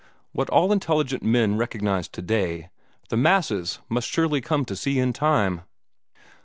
What all intelligent men recognize today, the masses must surely come to see in time."